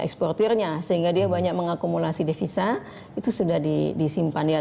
eksportirnya sehingga dia banyak mengakumulasi devisa itu sudah disimpan ya